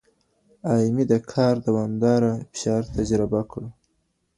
ایمي د کار دوامداره فشار تجربه کړ.